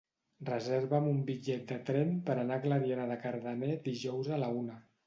Reserva'm un bitllet de tren per anar a Clariana de Cardener dijous a la una.